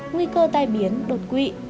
nguy cơ tai biến đột quỵ